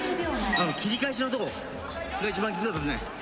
何か切り返しのとこが一番キツかったですね